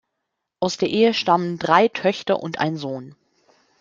Aus der Ehe stammen drei Töchter und ein Sohn.